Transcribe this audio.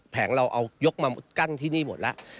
แผงเราเอายกมากั้นที่นี่หมดแล้ว